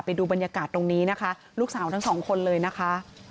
ไปดูบรรยากาศตรงนี้นะคะลูกสาวทั้งสองคนเลยนะคะ